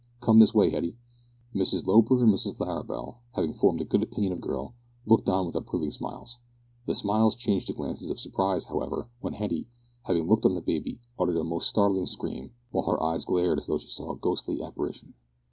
"Come this way, Hetty." Mrs Loper and Mrs Larrabel, having formed a good opinion of the girl, looked on with approving smiles. The smiles changed to glances of surprise, however, when Hetty, having looked on the baby, uttered a most startling scream, while her eyes glared as though she saw a ghostly apparition.